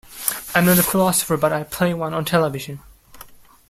I'm not a philosopher, but I play one on television.